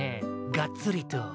がっつりと。